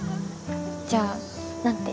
じゃあ何て？